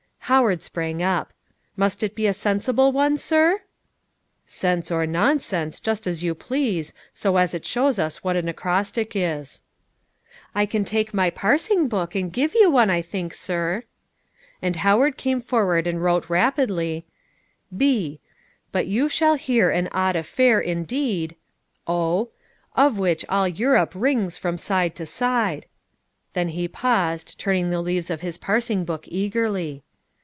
Howard sprang up. "Must it be a sensible one, sir?" "Sense or nonsense, just as you please, so as it shows us what an acrostic is." "I can take my parsing book and give you one, I think, sir." And Howard came forward and wrote rapidly, "B But you shall hear an odd affair, indeed, O Of which all Europe rings from side to side" Then he paused, turning the leaves of his parsing book eagerly.